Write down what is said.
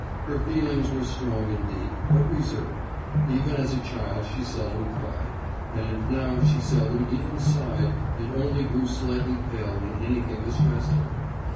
Her feelings were strong and deep, but reserved; even as a child she seldom cried, and now she seldom even sighed and only grew slightly pale when anything distressed her.